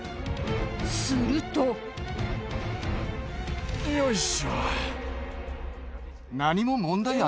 するとよいしょ。